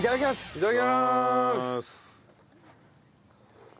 いただきます。